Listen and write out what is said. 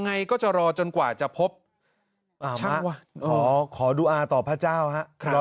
ไงก็จะรอจนกว่าจะพบขอดูอาต่อพระเจ้าฮะ